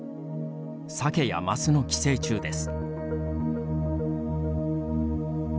サケやマスの寄生虫です。